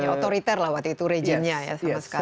otoriter lah waktu itu rejimnya ya sama sekali